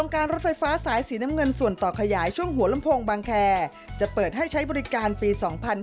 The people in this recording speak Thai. การรถไฟฟ้าสายสีน้ำเงินส่วนต่อขยายช่วงหัวลำโพงบางแคร์จะเปิดให้ใช้บริการปี๒๕๕๙